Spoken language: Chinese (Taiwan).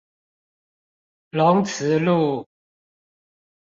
龍慈路